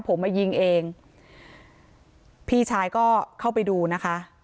ผมมายิงเองพี่ชายก็เข้าไปดูนะคะ